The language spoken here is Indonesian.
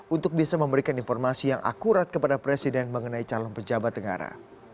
untuk bisa memberikan informasi yang akurat kepada presiden mengenai calon pejabat negara